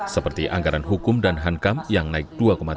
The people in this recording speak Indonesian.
seperti anggaran hukum dan hankam yang naik dua tiga